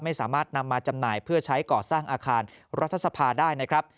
ไม่สามารถนำมาจำหน่ายเพื่อใช้ก่อสร้างอาคารรัฐสภาได้นะครับ